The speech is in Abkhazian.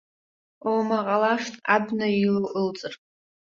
Ома ҟалашт абна илоу ылҵыр.